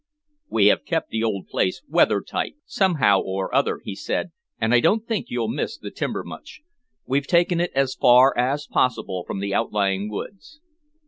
"We have kept the old place weathertight, somehow or other," he said, "and I don't think you'll miss the timber much. We've taken it as far as possible from the outlying woods."